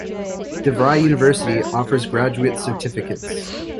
DeVry University also offers graduate certificates.